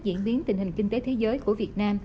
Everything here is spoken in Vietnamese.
diễn biến tình hình kinh tế thế giới của việt nam